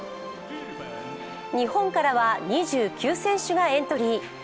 日本からは２９選手がエントリー。